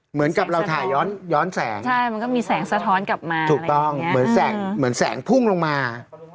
เหมือนกับเราถ่ายย้อนแสงแสงสะท้อนเหมือนแสงพุ่งลงมา